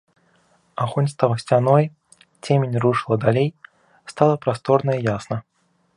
Агонь стаў сцяной, цемень рушыла далей, стала прасторна і ясна.